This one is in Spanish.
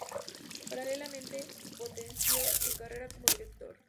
Paralelamente, potenció su carrera como director.